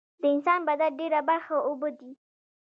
د انسان بدن ډیره برخه اوبه دي